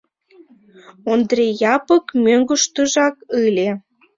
Ондри Япык мӧҥгыштыжак ыле.